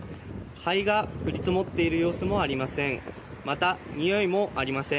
灰が降り積もっている様子もありません。